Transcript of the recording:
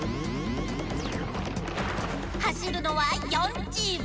はしるのは４チーム。